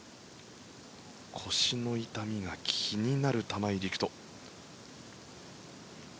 腰の痛みが気になる玉井陸斗。